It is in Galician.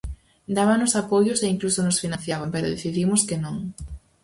Dábannos apoios e incluso nos financiaban, pero decidimos que non.